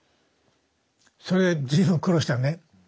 それ随分苦労したのね。